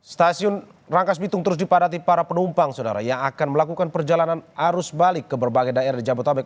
stasiun rangkas bitung terus dipadati para penumpang saudara yang akan melakukan perjalanan arus balik ke berbagai daerah di jabotabek